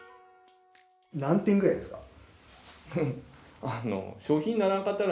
何点くらいですか？